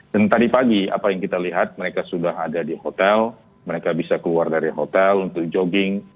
dan tadi pagi apa yang kita lihat mereka sudah ada di hotel mereka bisa keluar dari hotel untuk jogging